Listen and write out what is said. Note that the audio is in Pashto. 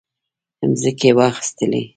مځکې واخیستلې.